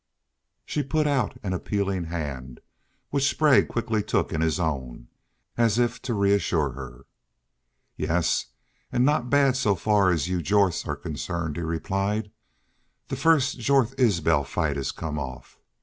She put out an appealing hand, which Sprague quickly took in his own, as if to reassure her. "Yes, an' not bad so far as you Jorths are concerned," he replied. "The first Jorth Isbel fight has come off....